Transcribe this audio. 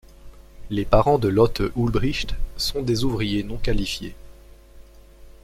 Les parents de Lotte Ulbricht sont des ouvriers non qualifiés.